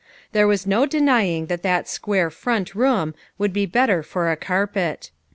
There was no denying that that square front room would be the better for a carpet.